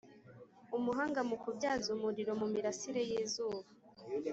Umuhanga mu kubyaza umuriro mu mirasire yizuba